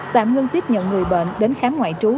tạm ngưng tiếp nhận người bệnh đến khám ngoại trú